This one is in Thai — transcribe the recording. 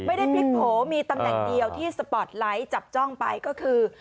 ไม่ได้พลิกโผล่มีตำแหน่งเดียวที่สปอร์ตไลท์จับจ้องไปก็คือ